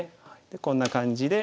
でこんな感じで。